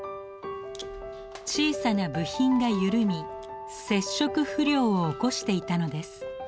小さな部品が緩み接触不良を起こしていたのです。